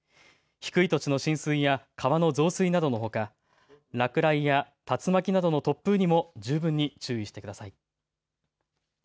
低い土地の浸水や川の増水などのほか、落雷や竜巻などの突風にも十分に注意してください。